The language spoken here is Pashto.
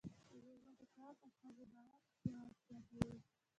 د میرمنو کار د ښځو نوښت پیاوړتیا کوي.